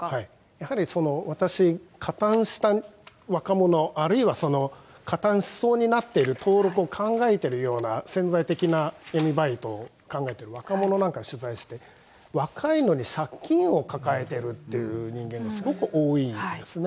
やはりその、私、加担した若者、あるいはその加担しそうになっている、登録を考えているような潜在的な闇バイトを考えている若者なんか取材して、若いのに借金を抱えてるっていう人間がすごく多いんですね。